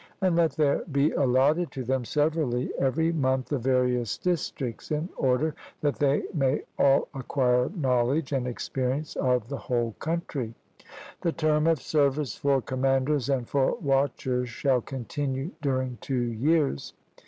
And let there be allotted to them severally every month the various districts, in order that they may all acquire knowledge and experience of the whole country. The term of service for commanders and for watchers shall continue during two years.